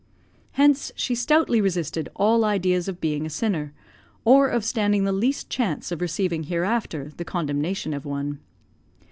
Hence she stoutly resisted all ideas of being a sinner, or of standing the least chance of receiving hereafter the condemnation of one.